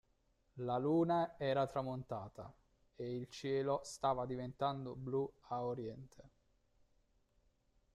La Luna era tramontata e il cielo stava diventando blu a Oriente.